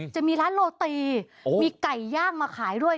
จะมีร้านโรตีมีไก่ย่างมาขายด้วย